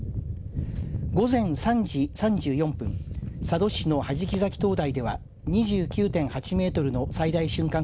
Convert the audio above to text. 午前３時３４分佐渡市の弾崎灯台では２９．８メートルの最大瞬間